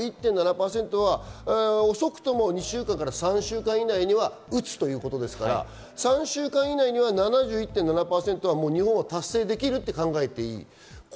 遅くとも２週間から３週間以内には打つということですから、３週間以内には７１．７％は日本は達成できると考えていい。